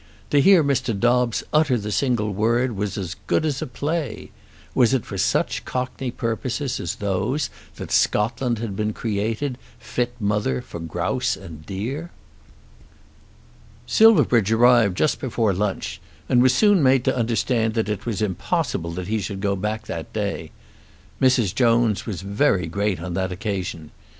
To hear Mr. Dobbes utter the single word was as good as a play. Was it for such cockney purposes as those that Scotland had been created, fit mother for grouse and deer? Silverbridge arrived just before lunch, and was soon made to understand that it was impossible that he should go back that day. Mrs. Jones was very great on that occasion.